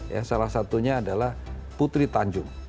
ya salah satunya adalah putri tanjung